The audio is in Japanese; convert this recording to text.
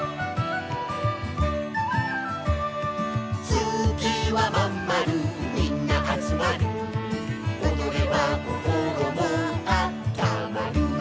「月はまんまるみんなあつまる」「おどれば心もあったまる」